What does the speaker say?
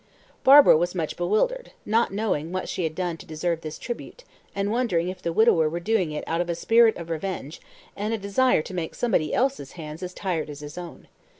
Barbara was much bewildered, not knowing what she had done to deserve this tribute, and wondering if the widower were doing it out of a spirit of revenge, and a desire to make somebody else's hands as tired as his own.